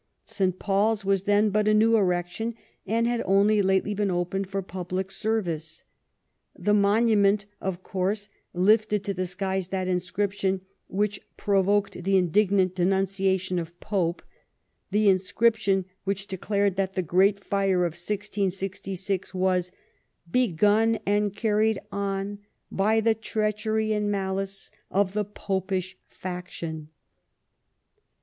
St. PauPs was then but a new erection, and had only lately been opened for public service. The Monument, of course, lifted to the skies that inscription which provoked the indignant denunciation of Pope — the inscription which declared that the great fire of 1666 was ^* begun and carried on by the treachery and malice of the Popish faction.